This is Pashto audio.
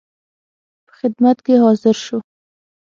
په خدمت کې حاضر شو.